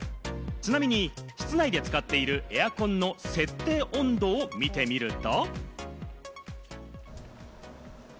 ちなみに室内で使っているエアコンの設定温度を見てみると。